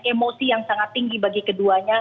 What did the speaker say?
emosi yang sangat tinggi bagi keduanya